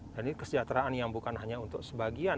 jadi kesejahteraan yang bukan hanya untuk sebagian